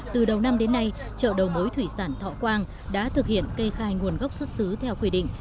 từ đầu năm đến nay chợ đầu mối thủy sản thọ quang đã thực hiện kê khai nguồn gốc xuất xứ theo quy định